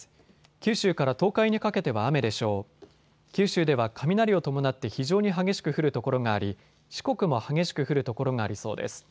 九州では雷を伴って非常に激しく降る所があり四国も激しく降る所がありそうです。